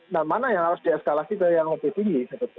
dan mana yang harus dieskalasi ke yang opjs